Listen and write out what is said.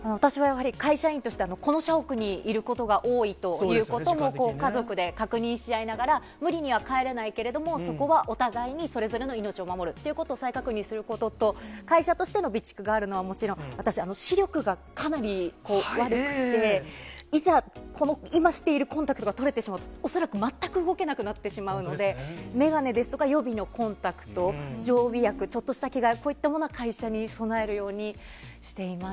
私はやはり会社員として、この社屋にいることが多いということも、家族で確認し合いながら、無理には帰らないけれども、そこはお互いにそれぞれの命を守るっていうことを再確認することと、会社としての備蓄があるのはもちろん、私、視力がかなり悪くて、いざ、この今しているコンタクトが取れてしまったら、恐らく全く動けなくなってしまうので、眼鏡ですとか、予備のコンタクト、常備薬、ちょっとした着替え、こういったものは会社に備えるようにしています。